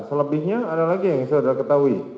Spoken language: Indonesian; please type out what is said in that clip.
selebihnya ada lagi yang saudara ketahui